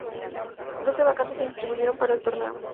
Doce vacantes se distribuyeron para el torneo.